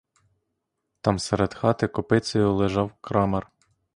Там серед хати копицею лежав крамар.